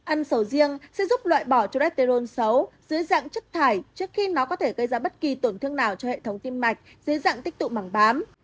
ăn sầu riêng sẽ giúp loại bỏ trô re tê rôn xấu dưới dạng chất thải trước khi nó có thể gây ra bất kỳ tổn thương nào cho hệ thống tim mạch dưới dạng tích tụ mẳng bám